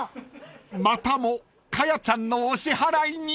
［またもかやちゃんのお支払いに］